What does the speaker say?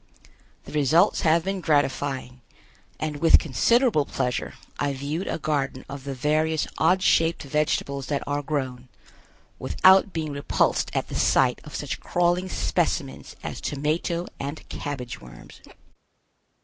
The results have been gratifying, and with considerable pleasure I viewed a garden of the various odd shaped vegetables that are grown, without being repulsed at the sight of such crawling specimens as tomato and cabbage worms.